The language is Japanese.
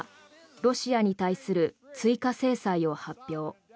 ロシアに対する追加制裁を発表。